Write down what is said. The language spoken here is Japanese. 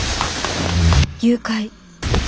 「誘拐」。